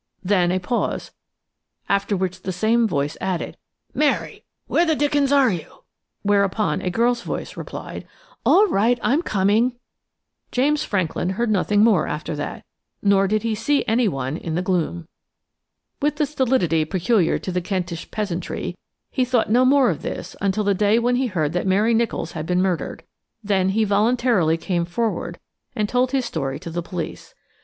Then a pause, after which the same voice added: "Mary, where the dickens are you?" Whereupon a girl's voice replied: "All right, I'm coming." James Franklin heard nothing more after that, nor did he see anyone in the gloom. With the stolidity peculiar to the Kentish peasantry, he thought no more of this until the day when he heard that Mary Nicholls had been murdered; then he voluntarily came forward and told his story to the police.